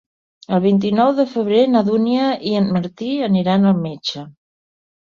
El vint-i-nou de febrer na Dúnia i en Martí aniran al metge.